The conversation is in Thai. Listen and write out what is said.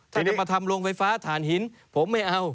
จะมาทำโรงไฟฟ้าฐานหินผมไม่เอา